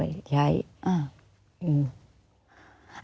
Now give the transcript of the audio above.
เอาอย่างนี้เดี๋ยวกลับมาคุย